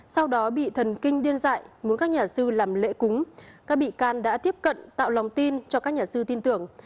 sau đó bị thần kinh điên dại muốn các nhà sư làm lễ cúng các bị can đã tiếp cận tạo lòng tin cho các nhà sư tin tưởng